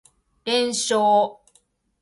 連勝